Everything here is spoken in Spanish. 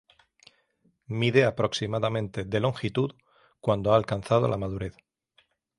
Mide aproximadamente de longitud cuando ha alcanzado la madurez.